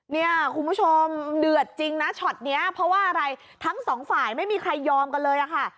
เนี่ยคุณผู้ชมเดือดจริงนะช็อตนี้เพราะว่าอะไรทั้งสองฝ่ายไม่มีใครยอมกันเลยอะค่ะ